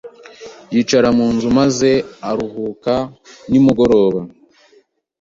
yicara mu nzu maze aruhuka nimugoroba